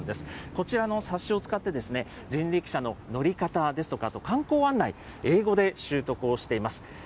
こちらの冊子を使って人力車の乗り方ですとか、あと観光案内、英語で習得をしています。